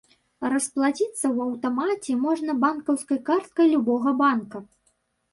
Расплаціцца ў аўтамаце можна банкаўскай карткай любога банка.